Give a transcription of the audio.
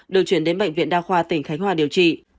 được chuyển đến bệnh viện đa khoa tỉnh khánh hòa điều trị